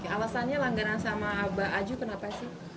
alasannya langgaran sama abah aju kenapa sih